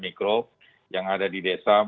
mikro yang ada di desa